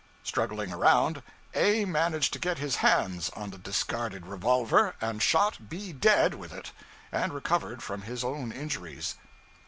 Struggling around, A managed to get his hands on the discarded revolver, and shot B dead with it and recovered from his own injuries.